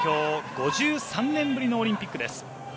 ５３年ぶりのオリンピックです。